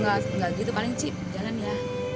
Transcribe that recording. nggak gitu paling chip jalan ya